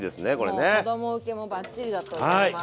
もう子ども受けもバッチリだと思います。